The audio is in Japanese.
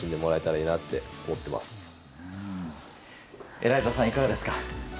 エライザさん、いかがですか？